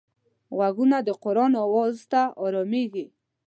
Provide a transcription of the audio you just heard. غوږونه د قرآن آواز ته ارامېږي